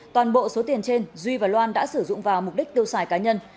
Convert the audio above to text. toàn bộ số tiền trên duy và loan đã sử dụng vào mục đích tiêu xài cá nhân